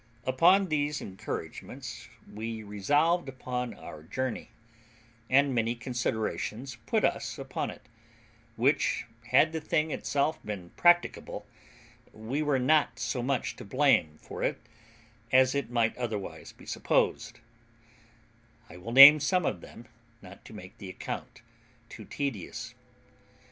Upon these encouragements we resolved upon our journey, and many considerations put us upon it, which, had the thing itself been practicable, we were not so much to blame for as it might otherwise be supposed; I will name some of them, not to make the account too tedious.